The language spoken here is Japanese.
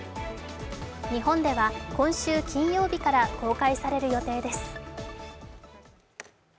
日本では今週、金曜日から公開される予定です。